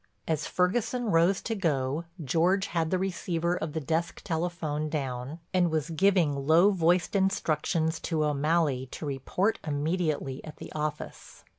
As Ferguson rose to go George had the receiver of the desk telephone down and was giving low voiced instructions to O'Malley to report immediately at the office.